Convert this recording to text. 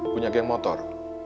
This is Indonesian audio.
punya geng motor